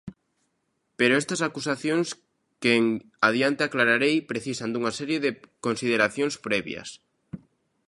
Pero estas acusacións, que en adiante aclararei, precisan dunha serie de consideracións previas.